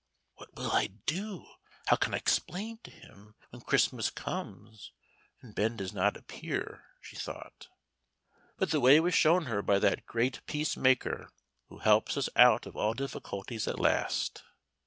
"What will I do how can I explain to him, when Christmas comes and Ben does not appear?" she thought. But the way was shown her by that great Peace Maker who helps us out of all difficulties at last.